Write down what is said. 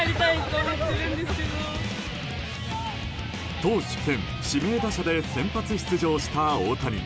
投手兼指名打者で先発出場した大谷。